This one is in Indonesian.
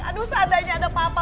aduh seandainya ada papa